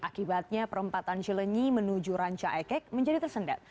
akibatnya perempatan cilenyi menuju rancayakek menjadi tersendat